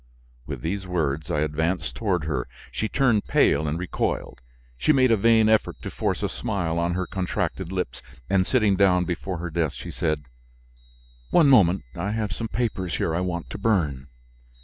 With these words, I advanced toward her; she turned pale and recoiled. She made a vain effort to force a smile on her contracted lips, and sitting down before her desk she said: "One moment; I have some papers here I want to burn."